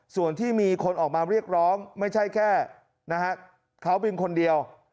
ส่วนที่มีคนออกมาเรียกร้องไม่ใช่แค่นะฮะเขาเป็นคนเดียว